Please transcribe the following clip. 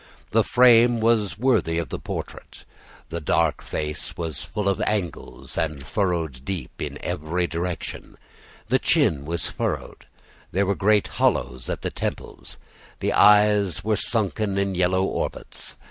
The frame was worthy of the portrait. That dark face was full of angles and furrowed deep in every direction; the chin was furrowed; there were great hollows at the temples; the eyes were sunken in yellow orbits.